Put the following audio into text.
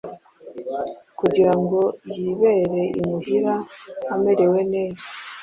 kugira ngo yibere imuhira amerewe neza.